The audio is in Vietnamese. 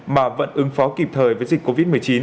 mà vẫn ứng phó kịp thời với dịch covid một mươi chín